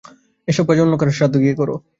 এসব কাজ অন্য কারো সাথে গিয়ে করো।